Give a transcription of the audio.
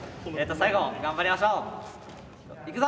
最後頑張りましょう。いくぞ！